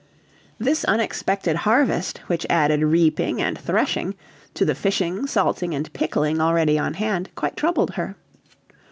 This unexpected harvest, which added reaping and threshing to the fishing, salting, and pickling already on hand, quite troubled her.